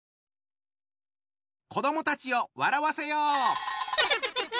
子どもたちを笑わせよう！